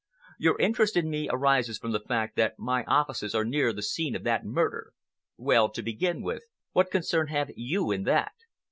Your interest in me arises from the fact that my offices are near the scene of that murder. Well, to begin with, what concern have you in that?"